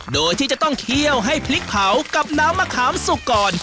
โดยที่จะต้องเคี่ยวให้พริกเผากับน้ำมะขามสุกก่อน